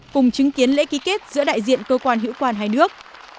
cùng chứng kiến lễ ký kết giữa đại diện cơ quan hữu quan hai nước